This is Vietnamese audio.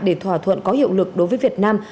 để thỏa thuận có hiệu lực đối với việt nam